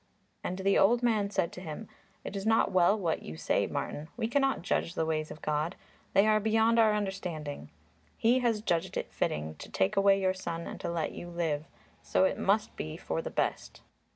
And the old man said to him, "It is not well what you say, Martin; we cannot judge the ways of God; they are beyond our understanding. He has judged it fitting to take away your son and to let you live, so it must be for the best.